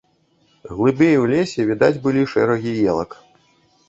Глыбей у лесе відаць былі шэрагі елак.